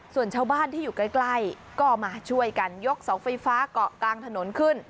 ส่วนชาวบ้านที่อยู่ใกล้ก็มาช่วยกันยกเสาไฟฟ้าเกาะกลางถนนขึ้น